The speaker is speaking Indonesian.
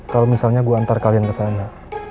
kalau misalnya gue antar kalian ke sana